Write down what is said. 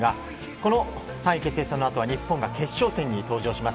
この３位決定戦の後は日本が決勝戦に登場します。